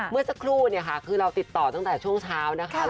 เมื่อสักครู่เนี่ยค่ะคือเราติดต่อตั้งแต่ช่วงเช้านะคะ